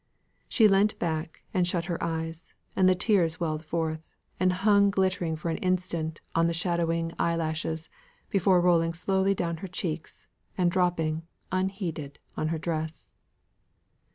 She leant back and shut her eyes, and the tears welled forth, and hung glittering for an instant on the shadowing eyelashes before rolling slowly down her cheeks, and dropping, unheeded, on her dress.